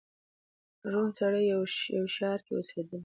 ړوند سړی په یوه ښار کي اوسېدلی